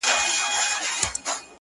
د کندهار ماځيگره!! ستا خبر نه راځي!!